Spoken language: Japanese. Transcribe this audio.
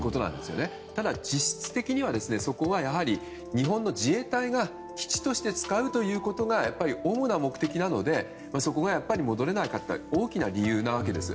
ただ、実質的にはそこはやはり日本の自衛隊が基地として使うということが主な目的なのでそこがやっぱり戻れなかった大きな理由な訳です。